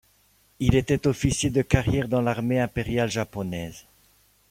Il était officier de carrière dans l'armée impériale japonaise.